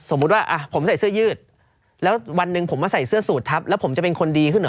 ว่าผมใส่เสื้อยืดแล้ววันหนึ่งผมมาใส่เสื้อสูตรทับแล้วผมจะเป็นคนดีขึ้นเหรอ